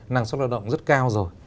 năng suất lao động rất cao rồi